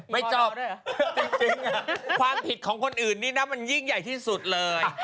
ไม่จบจริงความผิดของคนอื่นนี่นะมันยิ่งใหญ่ที่สุดเลย